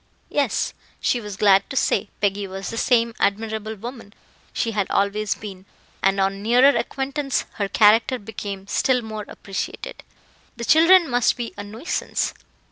Yes; she was glad to say, Peggy was the same admirable woman she had always been, and on nearer acquaintance her character became still more appreciated. The children must be a nuisance?